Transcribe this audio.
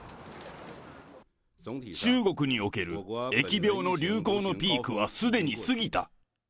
中国における疫病の流行のピークはすでに過ぎた。